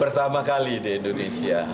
pertama kali di indonesia